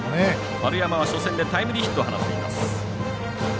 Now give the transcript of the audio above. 丸山は初戦でタイムリーヒットを放っています。